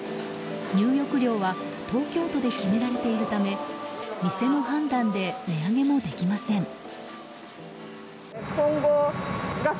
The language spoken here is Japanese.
入浴料は東京都で決められているため店の判断で値上げもできません。